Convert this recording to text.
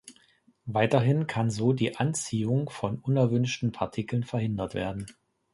Weiterhin kann so die Anziehung von unerwünschten Partikeln verhindert werden.